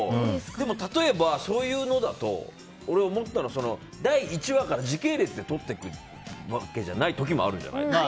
でも例えば、そういうのだと俺が思ったのは第１話から時系列で撮っていくわけじゃない時もあるじゃない。